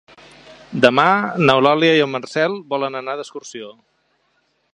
Demà n'Eulàlia i en Marcel volen anar d'excursió.